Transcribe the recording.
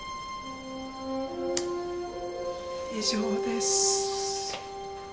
以上です。